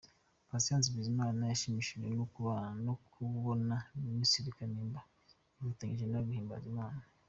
Patient Bizimana yashimishijwe no kubona Minisitiri Kanimba yifatanya na we guhimbaza Imana.